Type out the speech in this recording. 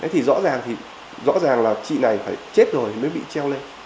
thế thì rõ ràng là chị này phải chết rồi mới bị treo lên